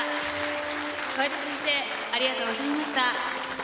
小出先生ありがとうございました。